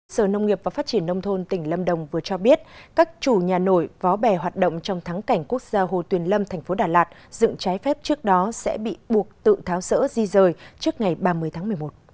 sở nông nghiệp và phát triển nông thôn tỉnh lâm đồng vừa cho biết các chủ nhà nổi vó bè hoạt động trong thắng cảnh quốc gia hồ tuyền lâm thành phố đà lạt dựng trái phép trước đó sẽ bị buộc tự tháo rỡ di rời trước ngày ba mươi tháng một mươi một